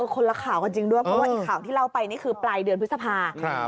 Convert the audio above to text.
คนละข่าวกันจริงด้วยเพราะว่าอีกข่าวที่เล่าไปนี่คือปลายเดือนพฤษภา